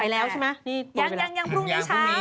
ไปแล้วใช่มะ